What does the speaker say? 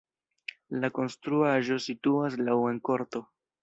La konstruaĵo situas laŭ en korto.